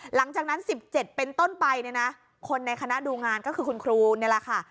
หลังจากนั้น๑๗เป็นต้นไปเนี่ยนะคนในคณะดูงานก็คือคุณครูนี่แหละค่ะ